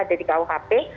ada di kuhp